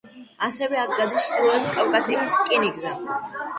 ასევე, აქ გადის ჩრდილოეთ კავკასიის რკინიგზა.